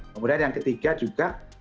kemudian yang ketiga